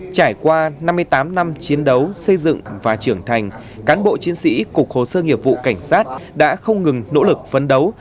trải qua năm mươi tám năm chiến đấu xây dựng và trưởng thành cán bộ chiến sĩ cục hồ sơ nghiệp vụ cảnh sát đã không ngừng nỗ lực phấn đấu